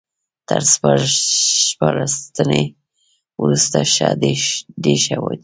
تر سپارښتنې وروسته ښه ديښه دي